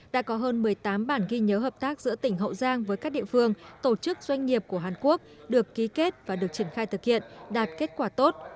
đã có hơn một mươi tám bản ghi nhớ hợp tác giữa tỉnh hậu giang với các địa phương tổ chức doanh nghiệp của hàn quốc được ký kết và được triển khai thực hiện đạt kết quả tốt